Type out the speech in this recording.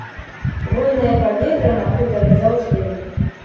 Вольнае паветра на хутары заўжды.